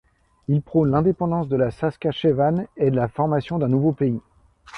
Il prône l'indépendance de la Saskatchewan, et la formation d'un nouveau pays.